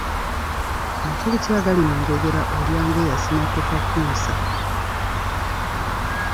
Makulu ki agali mu njogera, ‘Olya ng'eyasimattuka Kkunsa'